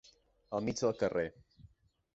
Al mig del carrer.